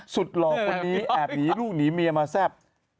หล่อคนนี้แอบหนีลูกหนีเมียมาแซ่บ